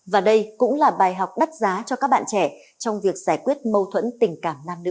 và đây cũng là bài học đắt giá cho các bạn trẻ trong việc giải quyết mâu thuẫn tình cảm nam nữ